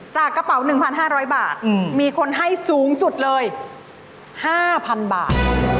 กระเป๋า๑๕๐๐บาทมีคนให้สูงสุดเลย๕๐๐๐บาท